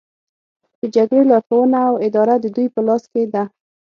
د جګړې لارښوونه او اداره د دوی په لاس کې ده